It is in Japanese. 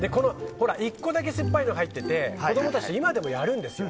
１個だけ酸っぱいの入ってて子供たちと今でもやるんですよ。